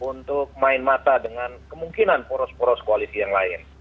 untuk main mata dengan kemungkinan poros poros koalisi yang lain